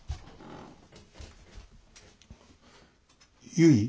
ゆい？